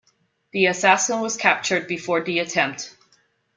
The assassin was captured before the attempt.